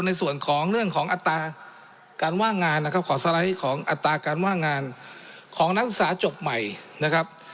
ในส่วนของเรื่องของอัตราการว่างงานนะครับขอสไลด์ของอัตราการว่างงานของนักศึกษาจบใหม่นะครับ